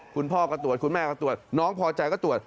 คุณพ่อก็ตรวจคุณแม่ก็ตรวจน้องพอใจก็ตรวจ